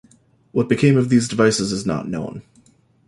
What became of these devices is not known.